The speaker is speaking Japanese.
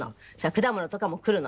果物とかもくるの。